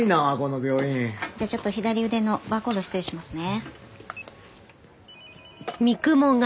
じゃあちょっと左腕のバーコード失礼しますね。